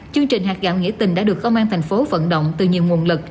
chương trình hạt gạo nghĩa tình đã được công an tp hcm vận động từ nhiều nguồn lực